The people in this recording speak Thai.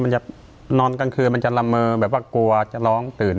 มันจะนอนกลางคืนมันจะละเมอแบบว่ากลัวจะร้องตื่น